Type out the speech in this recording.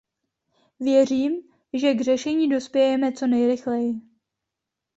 Věřím, že k řešení dospějeme co nejrychleji.